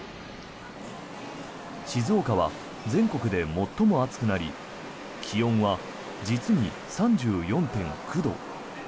静岡は全国で最も暑くなり気温は実に３４．９度。